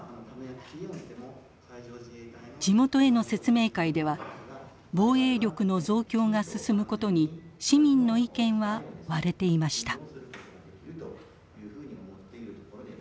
地元への説明会では防衛力の増強が進むことに市民の意見は割れていました。